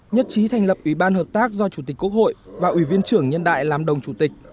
nhất trí thành lập ủy ban hợp tác do chủ tịch quốc hội và ủy viên trưởng nhân đại làm đồng chủ tịch